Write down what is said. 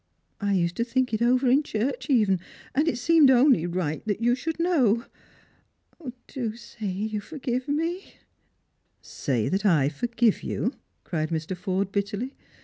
I used to think it over in church even, and it seemed only right you should know. Do say that you forgive me !"" Say that I forgive you !" cried Mr. Forde bitterly.